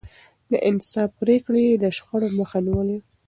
د انصاف پرېکړې يې د شخړو مخه نيوله.